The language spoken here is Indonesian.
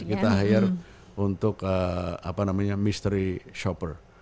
kita hire untuk apa namanya mystery shopper